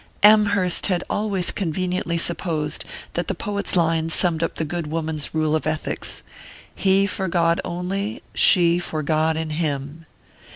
Amherst had always conveniently supposed that the poet's line summed up the good woman's rule of ethics: _He for God only, she for God in him.